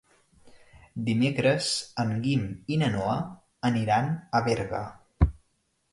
Dimecres en Guim i na Noa aniran a Berga.